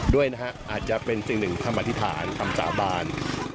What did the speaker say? ด้วยนะฮะอาจจะเป็นสิ่งหนึ่งคำอธิษฐานคำสาบาน